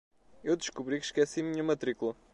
Eu descobri que esqueci minha matrícula.